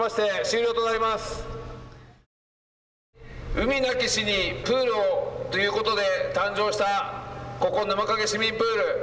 海なき市にプールをということで誕生した、ここ沼影市民プール。